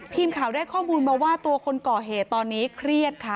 ทีมข่าวได้ข้อมูลมาว่าตัวคนก่อเหตุตอนนี้เครียดค่ะ